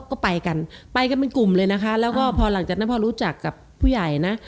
ก็ไปกันไปกันเป็นกลุ่มเลยนะคะแล้วก็พอหลังจากนั้นพอรู้จักกับผู้ใหญ่นะ